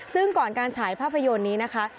ซึ่งก่อนการฉายภาพยนตร์นี้นะคะ